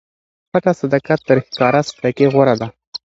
پټه صدقه تر ښکاره صدقې غوره ده.